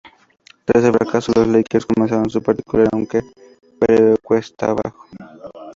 Tras el fracaso, los Lakers comenzaron su particular, aunque breve, cuesta abajo.